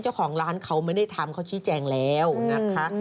เจ้าของร้านเขาไม่ได้ทำเขาชี้แจงแล้วนะคะ